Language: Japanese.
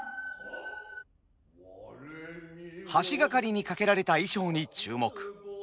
橋掛かりに掛けられた衣装に注目。